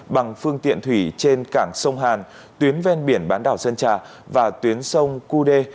bằng phương tiện thủy trên cảng sông hàn tuyến ven biển bán đảo sơn trà và tuyến sông cú đê